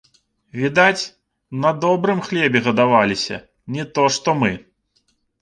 Відаць, на добрым хлебе гадаваліся, не то што мы.